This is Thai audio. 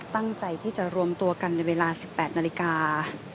ตั้งใจที่จะรวมตัวกันในเวลา๑๘นาฬิกา